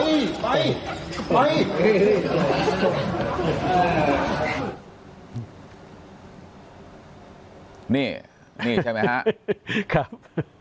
นี่ใช่มั้ยฮะครับ